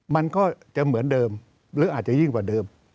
มันก็จะเหมือนเดิมหรืออาจจะยิ่งกว่าเดิม